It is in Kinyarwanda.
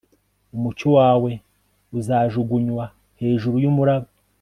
Umucyo wawe uzajugunywa hejuru yumuraba